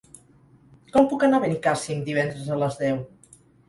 Com puc anar a Benicàssim divendres a les deu?